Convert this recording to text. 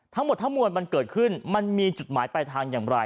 ทั้งหมดทั้งมวลมันเกิดขึ้นมันมีจุดหมายปลายทางอย่างไร